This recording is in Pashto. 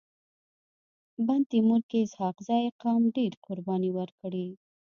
بند تيمور کي اسحق زي قوم ډيري قرباني ورکړي.